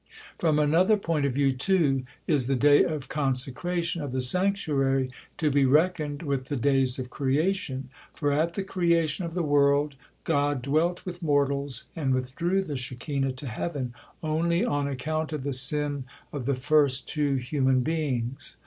From another point of view, too, is the day of consecration of the sanctuary to be reckoned with the days of creation, for at the creation of the world God dwelt with mortals and withdrew the Shekinah to heaven only on account of the sin of the first two human beings.